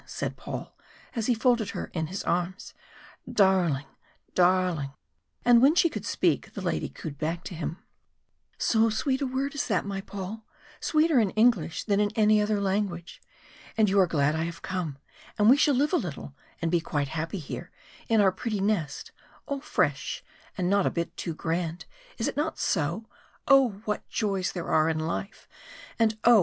said Paul, as he folded her in his arms "darling! darling!" And when she could speak the lady cooed back to him: "So sweet a word is that, my Paul. Sweeter in English than in any other language. And you are glad I have come, and we shall live a little and be quite happy here in our pretty nest, all fresh and not a bit too grand is it not so? Oh! what joys there are in life; and oh!